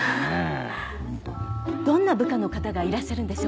どんな部下の方がいらっしゃるんでしょうか？